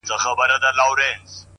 o اوس لا د گرانښت څو ټكي پـاتــه دي؛